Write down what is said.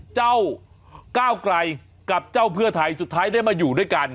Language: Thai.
ก้าวก้าวไกลกับเจ้าเพื่อไทยสุดท้ายได้มาอยู่ด้วยกัน